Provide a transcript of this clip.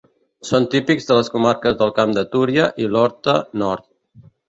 Són típics de les comarques del Camp de Túria i l'Horta Nord.